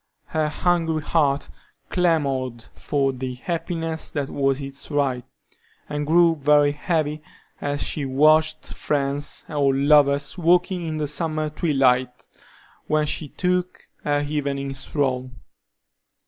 Her hungry heart clamored for the happiness that was its right, and grew very heavy as she watched friends or lovers walking in the summer twilight when she took her evening stroll.